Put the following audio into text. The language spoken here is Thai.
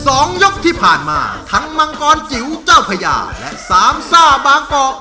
สองยกที่ผ่านมาทั้งมังกรจิ๋วเจ้าพญาและสามซ่าบางกอก